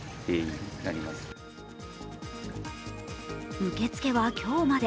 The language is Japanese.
受付は今日まで。